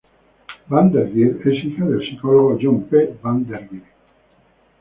Van de Geer es hija del psicólogo John P. van de Geer.